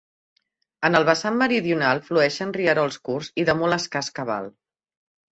En el vessant meridional fluïxen rierols curts i de molt escàs cabal.